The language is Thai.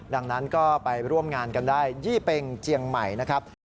ดังนั้นก็ไปร่วมงานกันได้ยี่เป็งเจียงใหม่นะครับ